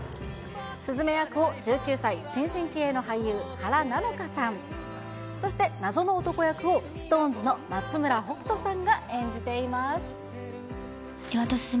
すずめ役を１９歳、新進気鋭の俳優、原菜乃華さん、そして謎の男役を、ＳｉｘＴＯＮＥＳの松村北斗さん